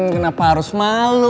kenapa harus malu